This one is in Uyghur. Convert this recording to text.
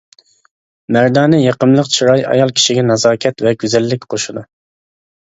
مەردانە، يېقىملىق چىراي، ئايال كىشىگە نازاكەت ۋە گۈزەللىك قوشىدۇ.